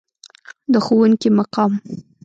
د ښوونکي مقام.